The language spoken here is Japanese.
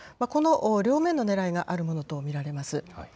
この両面のねらいがあるものと見られます。